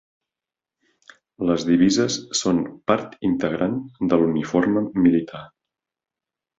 Les divises són part integrant de l'uniforme militar.